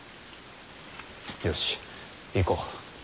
よし行こう。